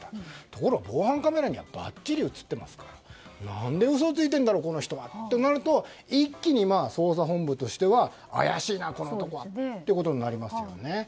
ところが、防犯カメラにはばっちり映ってますから何で嘘をついているんだとなると一気に、捜査本部としては怪しいな、この男はということになりますよね。